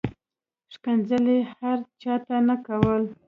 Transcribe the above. ښکنځل یې هر چاته نه کول.